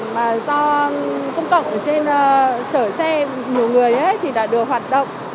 các thương tiện do công cộng trên chở xe nhiều người thì đã được hoạt động